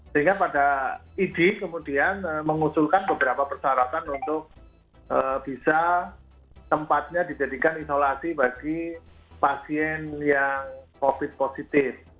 sehingga pada idi kemudian mengusulkan beberapa persyaratan untuk bisa tempatnya dijadikan isolasi bagi pasien yang covid positif